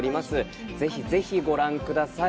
皆様、ぜひご覧ください。